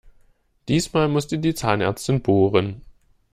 Diesmal musste die Zahnärztin bohren.